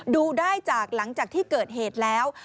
ดูได้จากหลังจากที่เกิดเหตุแล้ว